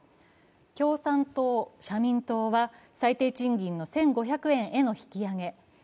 共産党、社民党は最低賃金の１５００円への引き上げ。